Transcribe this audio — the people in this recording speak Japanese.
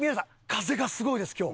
風がすごいです今日。